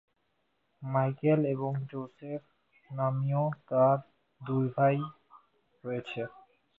Michael এবং Joseph নামীয় তার দুই ভাই রয়েছে।